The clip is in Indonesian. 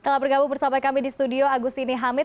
telah bergabung bersama kami di studio agustini hamid